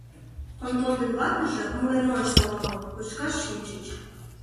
Онтон ден ватыже, мурен нойышт ала-мо, кочкаш шинчыч.